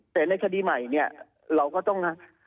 แต่ในคดีใหม่เราก็ต้อง